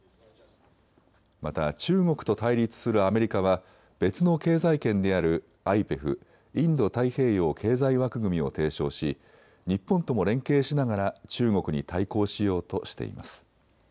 また中国と対立するアメリカは別の経済圏であるＩＰＥＦ・インド太平洋経済枠組みを提唱し日本とも連携しながら中国に対抗しようとしています。